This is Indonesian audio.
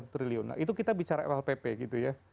triliun nah itu kita bicara flpp gitu ya